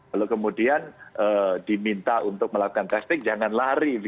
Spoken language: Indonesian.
lalu kemudian diminta untuk melakukan testing jangan lari